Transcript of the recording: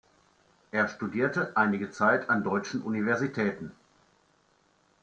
Er studierte einige Zeit an deutschen Universitäten.